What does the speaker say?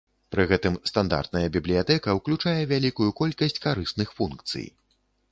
Пры гэтым стандартная бібліятэка ўключае вялікую колькасць карысных функцый.